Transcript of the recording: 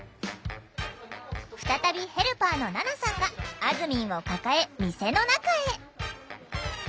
再びヘルパーの菜奈さんがあずみんを抱え店の中へ。